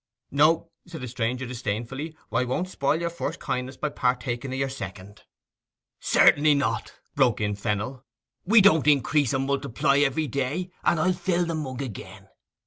'No,' said the stranger disdainfully. 'I won't spoil your first kindness by partaking o' your second.' 'Certainly not,' broke in Fennel. 'We don't increase and multiply every day, and I'll fill the mug again.